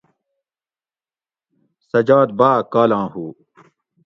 سجاد باۤ کالاں ہُو